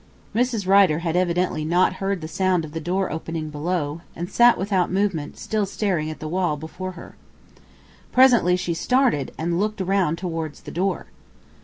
Mrs. Rider had evidently not heard the sound of the door opening below, and sat without movement still staring at the wall before her. Presently she started and looked round towards the door.